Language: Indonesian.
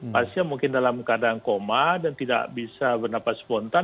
pasien mungkin dalam keadaan koma dan tidak bisa bernapas spontan